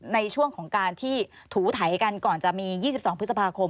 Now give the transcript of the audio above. ในช่วงของการที่ถูไถกันก่อนจะมี๒๒พฤษภาคม